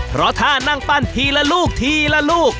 เพราะถ้านั่งปั้นทีละลูกทีละลูก